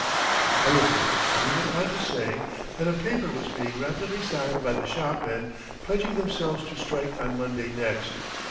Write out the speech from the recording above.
I listened and he went on to say that a paper was being rapidly signed by the shopmen, pledging themselves to strike on Monday next.